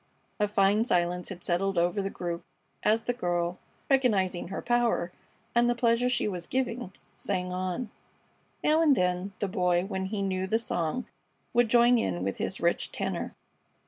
A fine silence had settled over the group as the girl, recognizing her power, and the pleasure she was giving, sang on. Now and then the Boy, when he knew the song, would join in with his rich tenor.